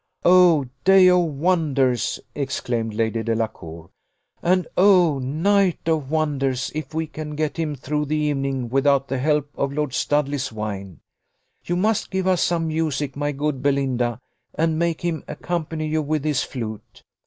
"O day of wonders!" exclaimed Lady Delacour. "And, O night of wonders! if we can get him through the evening without the help of Lord Studley's wine. You must give us some music, my good Belinda, and make him accompany you with his flute.